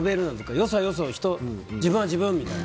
よそはよそ自分は自分みたいな。